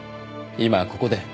今ここで。